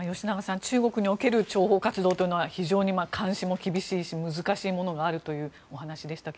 中国における諜報活動というのは非常に監視も厳しいし難しいものがあるというお話でしたが。